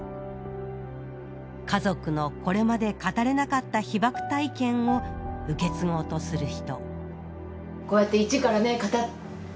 家族のこれまで語れなかった被爆体験を受け継ごうとする人